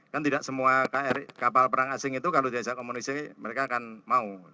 kan tidak semua kapal perang asing itu kalau diajak komunikasi mereka akan mau